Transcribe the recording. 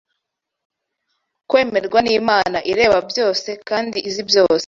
kwemerwa n’Imana ireba byose kandi izi byose.